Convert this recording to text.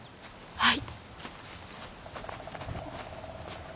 はい。